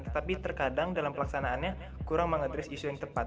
tetapi terkadang dalam pelaksanaannya kurang mengadres isu yang tepat